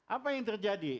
apa yang terjadi